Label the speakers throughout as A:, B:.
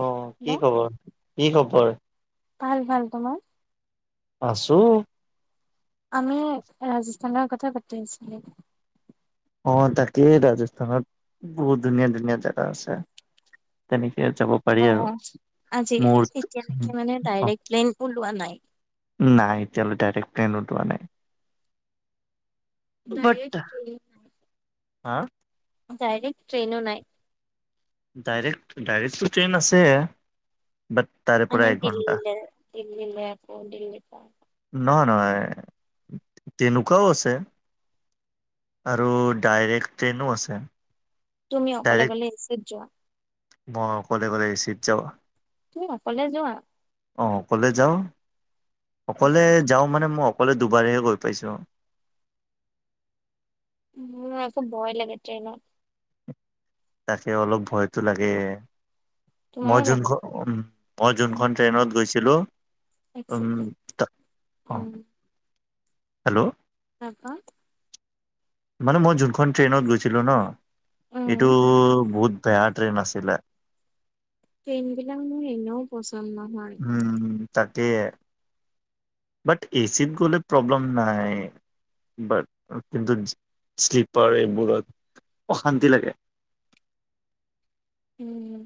A: অ' কি
B: হেল্ল'
A: খবৰ, কি খবৰ।
B: ভাল, ভাল তোমাৰ।
A: আছো।
B: আমি ৰাজস্থানৰ কথা পাতি আছিলো।
A: অ' তাকেই ৰাজস্থানত বহুত ধুনীয়া ধুনীয়া জেগা আছে তেনেকে এতিয়া যাব পাৰি
B: অ
A: আৰু
B: আজি
A: মোৰ
B: এতিয়ালৈকে
A: [unintelligible]
B: মানে ডাইৰেক্ট প্লেইন ওলোৱা নাই।
A: নাই এতিয়ালৈ ডাইৰেক্ট। প্লেন ওলোৱা নাই। বাট
B: ডাইৰেক্ট কি।
A: হা
B: ডাইৰেক্ট ট্ৰেইনো নাই।
A: ডাইৰেক্ট, ডাইৰেক্টটো ট্ৰেইন আছে। বাট তাৰে পৰা
B: মানে
A: এঘন্টা
B: দিল্লীলে, দিল্লীলে আকৌ দিল্লী
A: নহয় নহয় তেনেকুৱাও আছে আৰু ডাইৰেক্ট ট্ৰেইনো আছে।
B: তুমি অকলে
A: ডাইৰেক্ট
B: গলে এচিত যোৱা।
A: মই অকলে গলে এচিত যাও।
B: তুমি অকলে যোৱা।
A: অ' অকলে যাও।
B: বা
A: অকলে যাও মানে মই অকলে দুবাৰহে গৈ পাইছো।
B: মোৰ আকৌ ভয় লাগে ট্ৰেইনত।
A: তাকে অলপ ভয়টো লাগে। মই
B: তোমাৰো লাগে
A: যোনখন মই যোনখন ট্ৰেইনত গৈছিলো
B: এক
A: উম
B: ছেকেণ্ড
A: তা অ'
B: উম
A: হেল্ল'।
B: হা?
A: মানে মই যোন ট্ৰেইনত গৈছিলোঁ ন'! এইটো
B: উম
A: বহুত বেয়া ট্ৰেইন আছিলে।
B: ট্ৰেইনবিলাক মোৰ এনেও পচন্দ নহয়।
A: উম তাকে। বাট এচিত গ'লে প্ৰব্লেম নাই, বাট কিন্তু শ্লিপাৰ এইবোৰত অশান্তি লাগে।
B: উম।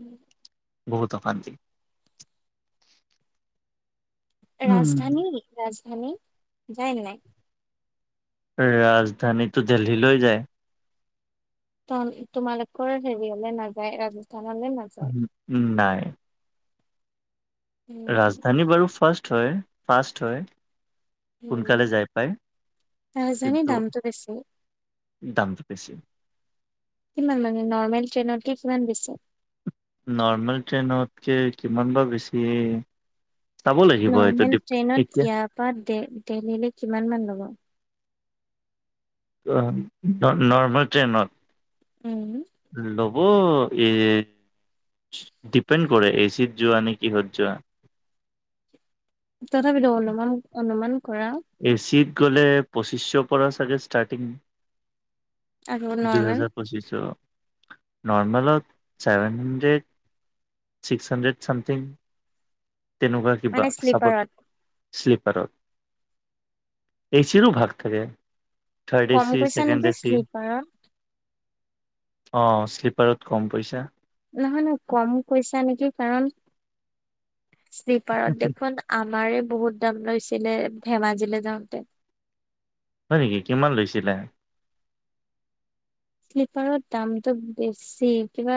A: বহুত অশান্তি। উম
B: ৰাজধানী মানি, যায় নে নাই?
A: ৰাজধানীতো দেলহিলৈ যায়।
B: ত' তোমালোকৰ হেৰি হলে নাযায় ৰাজ
A: উ নাই।
B: উম।
A: ৰাজধানী বাৰু ফাৰ্ষ্ট হয়, ফাষ্ট হয়।
B: উম,
A: সোনকালে যাই পাই
B: ৰাজধানী
A: কিন্তু
B: দামটো বেছি।
A: দামটো বেছি।
B: কিমান মানে! নৰ্মেল ট্ৰেইনতকে কিমান বেছি?
A: নৰ্মেল ট্ৰেইনতকে কিমান বা বেছি? চাব লাগিব এইটো
B: নৰ্মেল
A: ডিপ
B: ট্ৰেইনত
A: এতিয়া
B: ইয়াৰ পৰা দে, দেলহিলে কিমান মান ল'ব?
A: নৰ্মেল ট্ৰেইনত
B: উম।
A: লৱ অ' [unintelligible] ডিপেণ্ড কৰে এচিত যোৱা নে, কিহত যোৱা।
B: তথাপিতো অনুমান-অনুমান
A: এচিত গ'লে পঁচিছশৰ পৰা চাগে ষ্টাৰ্টিং।
B: আৰু নৰ্মেল
A: দুহাজাৰ পঁচিছশ। নৰ্মেলত seven hundred, six hundred something. তেনেকুৱা
B: মানে
A: কিবা চাগৈ
B: শ্লিপাৰত
A: শ্লীপাৰত। এচিৰো ভাগ থাকে। থাৰ্ড এ
B: কম
A: চি
B: কৈছা
A: ছেকেণ্ড
B: নেকি
A: এ চি
B: শ্লিপাৰত।
A: অ' শ্লীপাৰত কম পইচা।
B: নহয় [unintelligible] কম কৈছা নেকি কাৰণ শ্লিপাৰত দেখোন আমাৰে বহুত দাম লৈছে। দিলে ধেমাজিলে যাওঁতে
A: হয় নেকি কিমান লৈছিলে
B: শ্লিপাৰত দামতটো বেছি কিবা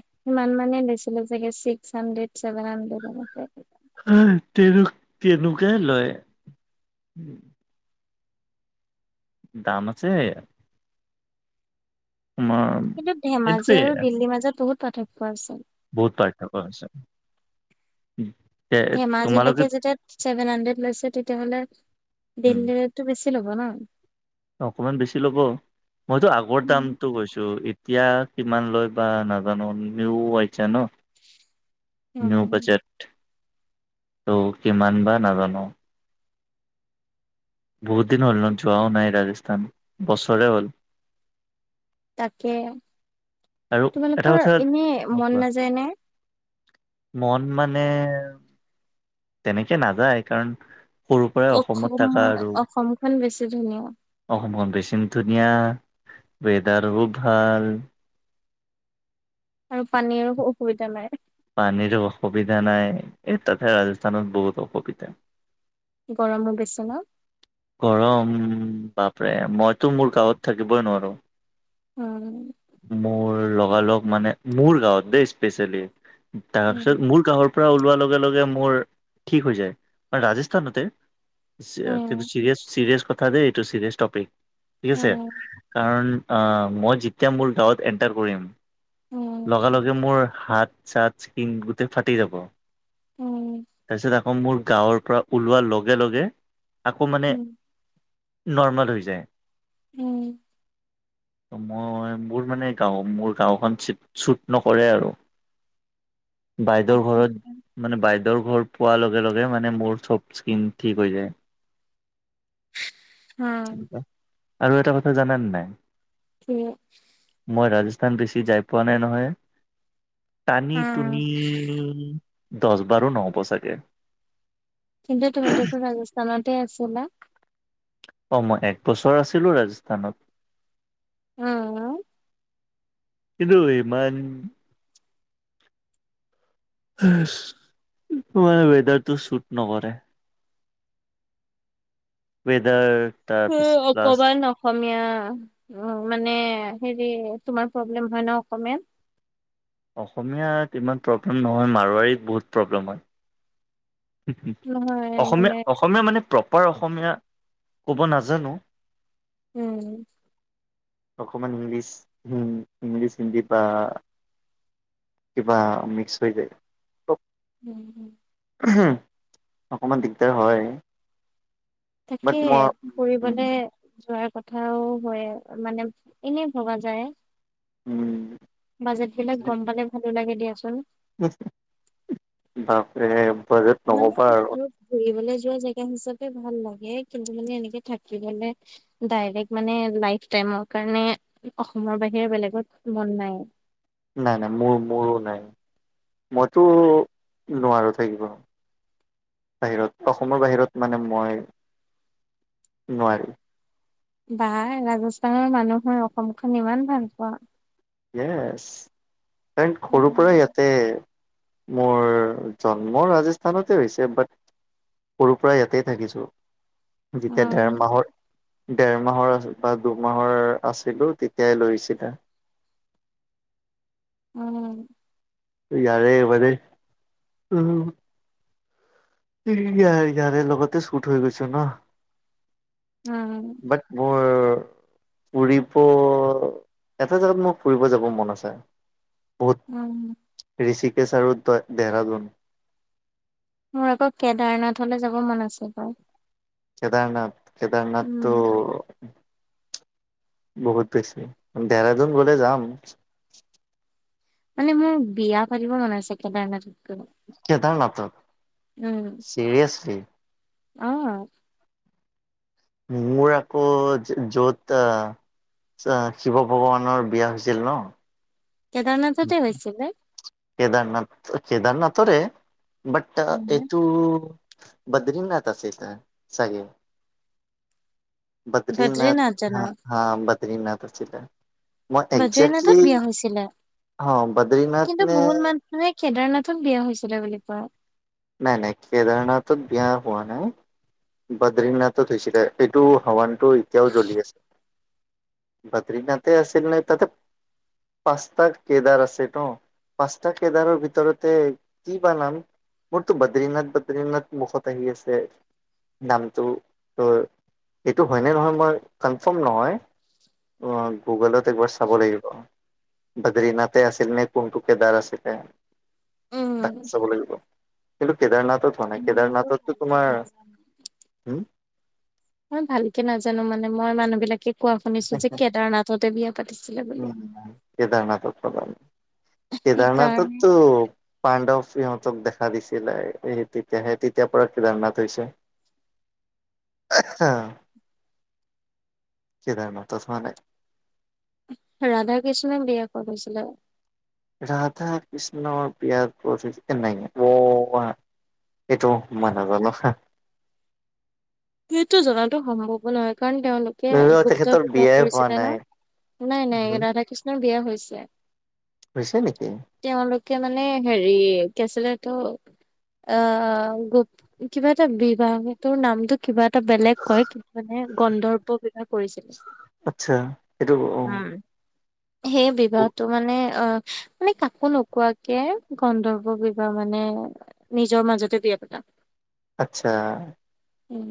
B: সমান মানে বেছিলে চাগে ছিক্স হাড্ৰেড চছেভেন হাড্ৰেড এনেকে
A: হ তেনে তেনেকুৱাই লয় দাম আছে তোমাৰ
B: কিন্তু ধেমাজি
A: এইটোৱে
B: আৰু দিল্লীৰ মাজত বহুত পাৰথক্য আছিল
A: বহুত পাৰ্থক্য হৈছে
B: ধেমাজিলকে যেতিয়া ছেভেন হাড্ৰেড লৈছে তেতিয়াাহ'লে
A: উম
B: দিল্লীটো বেছি লব ন
A: অকমান বেছি ল'ব। মইতো আগৰ দামটো কৈছো এতিয়া কিমান লৈ বা নাজানোমিও আহিছা ন ন
B: উম
A: বজত তৌ কিমান বা নাজানো বহুত দিন হ'ল ন যোৱাও নাই ৰাজস্থান বছৰে হ'ল
B: তাকে
A: আৰু এটা
B: তোমালোকৰ
A: কথা
B: এনেই মন
A: কোৱা
B: নাযায় ন
A: মন মানে তেনেকে নাযায় কাৰণ সৰু পৰাই অসমত থকা আৰু
B: ধন্যাদ [unintelligible]
A: অসমখন বেছিম ধুনীয়া ৱেডাৰও ভাল
B: আৰু পানীৰো অসুবিধা নাই
A: পানীৰো অসুবিধা নাই এই তাতে ৰাজস্থানত বহুত অসুবিধা
B: কি গৰম ৰ বেছি ন
A: গৰম বাপৰে মইতো মোৰ গাঁৱত থাকিবই নোৱাৰো
B: উম
A: মোৰ লগ লগ লগ মানে মোৰ গাঁৱত দেই স্পেচিয়েলি তাৰ
B: উম
A: পিছত মোৰ কাহৰ পৰা ওলোৱাৰ লগে লগে মোৰ ঠিক হৈ যায় কাৰ ৰাজস্থানতে চ
B: উম
A: কথা ত এইটো ছৰিয়ছ পিক ঠিক আছে
B: উম
A: কাৰণ অ মই যেতিয়া মোৰ গাঁৱত এণ্টাৰ কৰিম
B: উম
A: লগে লগে মোৰ হাত চাত কিনোতে ফাাটি যাব
B: উম
A: কচ ত মোৰ গাঁৱৰ পৰা ওলোৱাৰ লগে লগে আকৌ মানে
B: উম
A: নৰ্মেল হৈ যায়।
B: উম।
A: ত মই মোৰ মানে গাঁও মোৰ গাঁওখন ছু ছুট নকৰে আৰু। বাইদেউৰ
B: আচ্ছা
A: ঘৰত মানে বাইদেউৰ ঘৰ পোৱাৰ লগে লগে মানে মোৰ চব স্কিন ঠিক হৈ যায়।
B: অ।
A: আৰু এটা কথা জানান নাই?
B: কি?
A: মই ৰাজস্থান বেছি যাই পোৱা নাই নহয়। টানি
B: উম
A: তুনি ই দচ বাৰো নহব চাগৈ।
B: কিন্তটো তুমি টো চোন ৰাজস্থানত টে আছিলা।
A: অঁ মই একবছৰ আছিলোঁ ৰাজস্থানত।
B: অ' অ।
A: কিন্তু ইমান তোমাৰ ৱেডাৰটো চুট নকৰে। ৱেদাৰ।।
B: উ অকণমান অসমীয়া উ মানে হেত তুমি তোমাৰ প্ৰব্লেম হয় ন অসমীয়াত?
A: অসমীয়াত ইমান প্ৰব্লেম নহয়। মাৰোৱাৰীত বহুত প্ৰব্লেম হয়।
B: নহয়
A: অসমীয়া
B: মানে
A: অসমীয়া মানে প্ৰব মই অসমীয়া ক'ব নাজানো।
B: উম।
A: অকমান ইংলিছ, ইংলিছ হিন্দী বা কিবা মিক্স হৈ যায়।
B: উম উম।
A: অকণমান দিগদা্ৰ হয়।
B: তাকে
A: বাট মই
B: ফুৰিবলে যোৱাৰ কথা কথাও হয়, মানে এনে ভবা যায়।
A: উম।
B: বাজেট বিলাক গম পালে ভালো লাগে দিয়া। আচোন।
A: উ বাপৰে। বাজেট
B: মানে
A: নকবা আৰু
B: এদিনত ঘুৰি দূৰ জেগা হিচাপে ভাল লাগে। কিন্তু মানে এনেকে থাকি মানে ডাইৰেক্ট মানে লাইফ টাইমৰ কাৰণে অসমৰ বাহিৰে বেলেগত মন নাই।
A: নাই নাই মোৰ মোৰো নাই মইতো নোৱাৰো থাকিব বাহিৰত। অসমৰ বাহিৰত মানে মই নোৱাৰিম।
B: বা ৰাজস্থানৰ মানুহৈ অসমখন ইমান ভাল পোৱা?
A: ইএছ। ডেন সৰুৰ পৰাই
B: উম
A: ইয়াতে মোৰ জন্ম ৰাজস্থানতে হৈছে, বাট সৰুৰ পৰা ইয়াতেই থাকিছোঁ। যেতিয়া
B: উম
A: ডেৰ মাহৰ ডেৰ মাহৰ আ বা দুমাহৰ আছিলো, তেতিয়াই লৈ আহিছিল।
B: অঁ।
A: ইাৰে এবাৰে ইয়াৰ ইয়াৰে লগতে চুট হৈ গৈছ ন।
B: হাঁ।
A: বাট মোৰ [unintelligible] ফুৰিব, এটা জেগাত মোৰ ফুৰিব যাব মন আছে।
B: উম
A: বহুত ঋষিক কেচ‌ আৰু দেহৰাদুন।
B: মোৰ আকৌ কেদাৰনাথলে যাব মন আছিল বাৰু।
A: কেদাৰনাথ?
B: উম
A: কেদাৰনাথটো বহুত বেছি, দেৰাদোন গ'লে যাম।
B: মানে মোৰ বিয়া পাতিব মন আছে কেদাৰনাথত। গৈ
A: কেদাৰনাথত, চিৰিয়েছলি?
B: অঁ।
A: মোৰ আকৌ য'ত আহ, শিৱ ভগৱানৰ বিয়া হৈছিল ন
B: কেদাৰনাথতে হৈছিল।
A: কেদাৰনাথ, কেদাৰনাথৰে বাট
B: উম,
A: এইটো বদিৰীনাথ আছেল, চাগে বদ্ৰীনাথ, হা বাত নাথ আছিলে। মই
B: বদ্ৰীনাথত
A: একজেক্টলি,
B: বিয়া হৈছিলে
A: অঁ বদ্ৰীনাথ
B: কিন্তু
A: নে
B: বহুত মানুহে কেদাৰনাথক বিয়া হৈছিলে বুলি কোৱা
A: নাই নাই, কেদাৰনাথত বিয়া হোৱা নাই, বদ্ৰীনাথত হৈছিলে, এইটো হাৱানটো এতিয়াও জ্বলি আছে, বদ্ৰিনাথে আছিল নাই, তাতে পাঁচটা কেদাৰ আছে তো, পাঁচটা কেদাৰৰ ভিতৰতে কি বা নাম মোৰতো বদ্ৰীনাথ বদ্ৰীনাথ মুখত আহি আছে, নামটো, ত' এইটো হয়নে নহয় মই কনফাৰ্ম নহয়, গুগলত একবাৰ চাব লাগিব, বদ্ৰীনাথে আছিল নে কোনটো কেদাৰ আছিলে তাক
B: উম।
A: চাব লাগিব। কিন্তু কেদাৰনাথত হোৱা
B: ভ নো
A: নাই কেদাৰনাথতো তোমাৰ
B: [unintelligible]
A: হম
B: মই ভালকে নাজানো মানে মই মানুহ বিলাকে কোৱা শুনিছো যে কেদাৰনাথতে বিয়া পাতিছিলে বুলি।
A: হব [unintelligible]
B: সেইকাৰণে
A: কেদাৰনাথততো পাণ্ডৱ সিহঁতক দেখা দিছিলে তেতিয়াহে তেতিয়াৰ পৰা কেদাৰনাথ হৈছে। কেদাৰনাথত হোৱা নাই।
B: ৰাধা কৃষ্ণ বিয়া কৰিছিলে?
A: ৰাধা কৃষ্ণৰ বিয়াৰ কত হৈ নাই অ' এইটো ম নাজানো হা।
B: সেইটো জাতো সম্ভৱ নহয়। কাৰণ তেওঁলোকে
A: ধৰিলওক
B: গুপ্ত
A: তেখেতৰ
B: বিবাহ
A: বিয়াই হোৱা
B: কৰিছিলে ন,
A: নাই
B: নাই নাই
A: উম
B: ৰাধা কৃষ্ণৰ বিয়া হৈ চে
A: হৈছে নেকি?
B: মানে হেৰি কি আছিলে এইটো, আহ গুপ কিবা এটা বিবাহ তোৰ নামটো কিবা এটা বেলেগ কয় কিন্তু মানে গন্ধৰ্ব ব্যৱাৰ কৰিছিলে।
A: আচ্ছা এইটো
B: হু। সেই বিবাহটো মানে অ মানে কাকো নোকোৱাকে গধব বিবাহ মানে নিজৰ মাজতে বিয়া পতা।
A: আচ্ছা।
B: উম।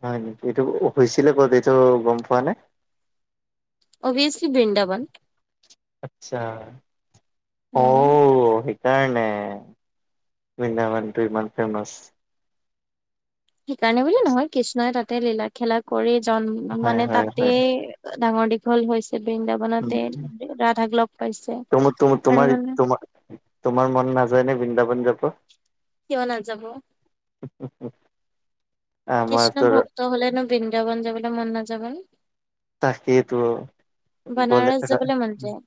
A: হয় নেকি, এইটো হৈছিলে ক'ত এইটো গম পোৱা নে?
B: অভিয়ছলি বৃন্দাবন।
A: আচ্ছা।
B: উম।
A: কাৰণে বৃন্দাবনটো ইমান ফেমাচ।
B: সেইকাৰণে বুল নহয় কৃষ্ণই তাত তাতে লীলা খেলা কৰি জন্ম
A: হয়
B: মানে
A: হয়
B: তাতে
A: হয়
B: ডাঙৰ দীঘল হৈছে। বৃন্দাবনতে ৰাধাক লগ পাইছে
A: ত
B: আৰু
A: তোমাৰোমাৰ
B: মানে
A: তোমাৰ মন নাযায় নে বৃন্দাবন যাব।
B: কিয় নাযাব? কৃষ্ণ
A: আমাৰতো
B: ভক্ত হলে ন বৃন্দাবন যাবলে মন নাযাব নে?
A: তাকেইতো, গলে
B: বানাৰস যাবলৈ
A: [unintelligible]
B: মন যায়।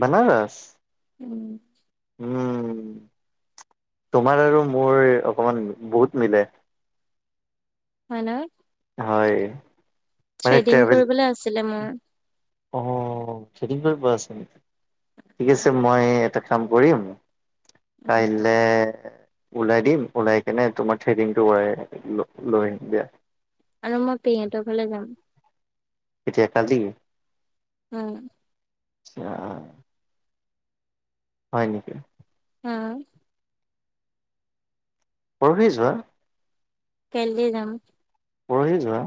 A: বনাৰস?
B: উম
A: উম, তোমাৰ আৰু মোৰ অকণমান বহুত মিলে।
B: হয় ন?
A: হয়। মানে
B: থ্ৰেডিং
A: ট্ৰেভেল
B: কৰিবলৈ আছিলে মোৰ।
A: অ', থেদিং কৰিবিব আছে নেকি? ঠিক আছে মই এটা কাম কৰিম।
B: উম
A: কাইলে ওলাই দিম ওলাই কেনে তোমাৰ থ্ৰেডিংটো লৈ আহিম দিয়া।
B: আৰু মই পেহীহঁতৰ ঘৰলে যাম।
A: এতিয়া আজি।
B: উম,
A: আ, হয় নেকি?
B: উম,
A: পৰহি যোৱা।
B: কেলে যাম।
A: পৰহি যোৱা।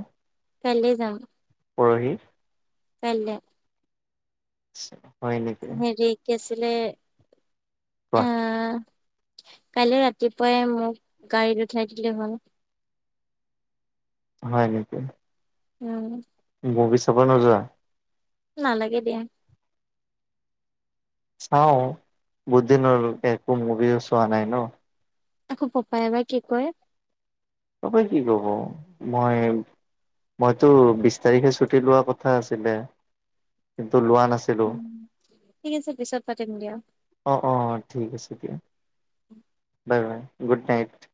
B: কালি যাম।
A: পৰহি
B: কাইলে।
A: আ [unintelligible]
B: হেৰী কেছ। লে।
A: কোৱা?
B: কাইলৈ ৰাতিপুৱাই মোক গাড়ীত উঠাই দিলে হল।
A: হয় নেকি?
B: উম,
A: মভী চাব নযোৱা।
B: নালাগে দিয়া।
A: চাও বহুত দিন একো মুভিও চোৱা নাই ন।
B: আকৌ পাপাই বা কি কয়?
A: কোনে কি কব মই মইতো বিশ তাৰিখে ছুটি লোৱা কথা আছিলে। ত লোৱা নাছিলোঁ
B: ঠিক আছে পিছত পাতিম দিয়া
A: অঁ-অঁ ঠিক আছে দিয়া বাই-বাই। Good night.